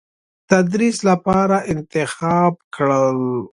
تدریس لپاره انتخاب کړل.